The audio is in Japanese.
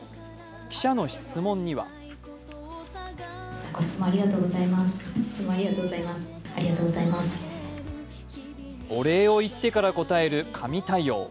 記者の質問にはお礼を言ってから答える神対応。